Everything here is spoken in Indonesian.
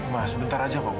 ma sebentar aja pak